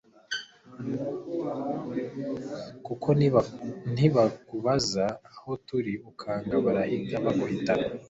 kuko ntibakubaza aho turi ukanga barahita baguhitana